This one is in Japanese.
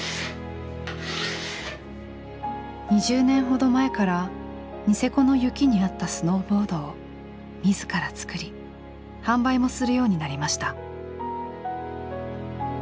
２０年ほど前からニセコの雪に合ったスノーボードを自ら作り販売もするようになりました。